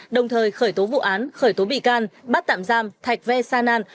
đồng thời khởi tố vụ án khởi tố bị can bắt tạm giam thạch ve sa nan